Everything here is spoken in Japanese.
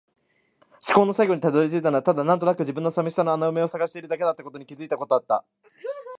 思考の最後に辿り着いたのはただ、なんとなくの自分の寂しさの穴埋めを探しているだけだったことに気がついたことだった。